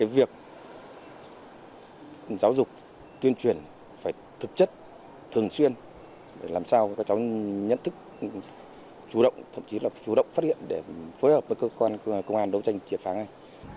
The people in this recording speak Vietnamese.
việc giáo dục tuyên truyền phải thực chất thường xuyên để làm sao các cháu nhận thức chủ động thậm chí là chủ động phát hiện để phối hợp với cơ quan công an đấu tranh triệt phá ngay